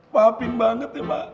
maafin banget ya ma